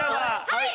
はい！